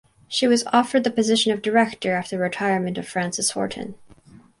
She was offered the position of director after the retirement of Frances Horton.